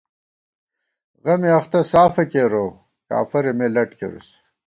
غمےاختہ سافہ کېروؤ کافَرے مے لٹ کېرُس